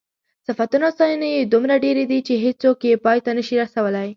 صفتونه او ستاینې یې دومره ډېرې دي چې هېڅوک یې پای ته نشي رسولی.